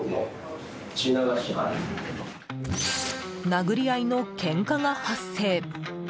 殴り合いのけんかが発生。